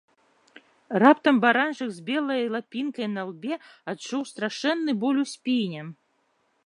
Раптам баранчык з белай лапінкай на лбе адчуў страшэнны боль у спіне.